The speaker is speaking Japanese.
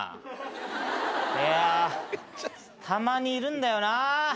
いやたまにいるんだよな。